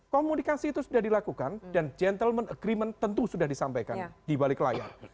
komunikasi itu sudah dilakukan dan gentleman agreement tentu sudah disampaikan di balik layar